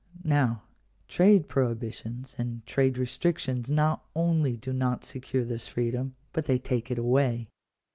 Now trade prohibitions and trade restrictions not only do not secure this freedom, but they take it away.